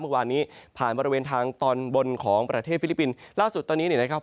เมื่อวานนี้ผ่านบริเวณทางตอนบนของประเทศฟิลิปปินส์ล่าสุดตอนนี้เนี่ยนะครับ